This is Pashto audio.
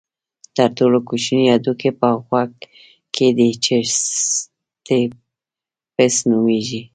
تر ټولو کوچنی هډوکی په غوږ کې دی چې سټیپس نومېږي.